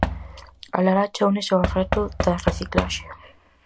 A Laracha únese ao reto da reciclaxe.